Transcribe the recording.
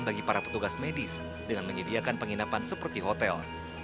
bagi para petugas medis dengan menyediakan penginapan seperti hotel